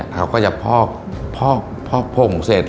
เขาก็จะพอกผมเสร็จ